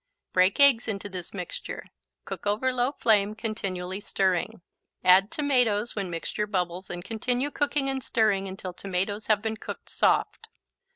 Break eggs into this mixture, cook over low flame, continually stirring. Add tomatoes when mixture bubbles and continue cooking and stirring until tomatoes have been cooked soft.